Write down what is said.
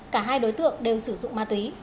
cả hai đối tượng đều sử dụng ma túy